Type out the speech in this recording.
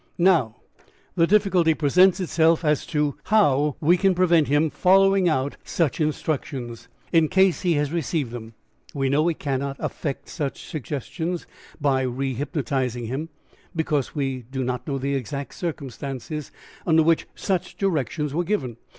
"Now, the difficulty presents itself as to how we can prevent him following out such instructions, in case he has received them. We know we cannot affect such suggestions by re hypnotizing him, because we do not know the exact circumstances under which such directions were given.